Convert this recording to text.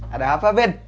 ada apa ben